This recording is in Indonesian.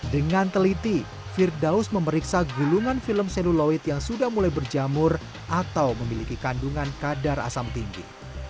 dengan teliti firdaus memeriksa gulungan film seluloid yang sudah mulai berjamur atau memiliki kandungan kadar asam tinggi